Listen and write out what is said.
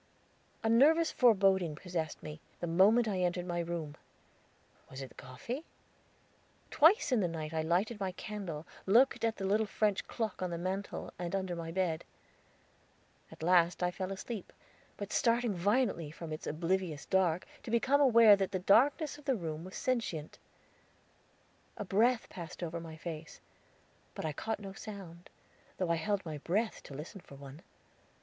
A nervous foreboding possessed me, the moment I entered my room. Was it the coffee? Twice in the night I lighted my candle, looked at the little French clock on the mantel, and under the bed. At last I fell asleep, but starting violently from its oblivious dark, to become aware that the darkness of the room was sentient. A breath passed over my face; but I caught no sound, though I held my breath to listen for one.